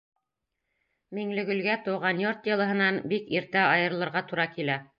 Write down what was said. Миңлегөлгә тыуған йорт йылыһынан бик иртә айырылырға тура килә.